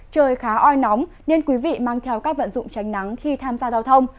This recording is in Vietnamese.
trời khá oi nóng nên quý vị mang theo các vận dụng tránh nắng khi tham gia giao thông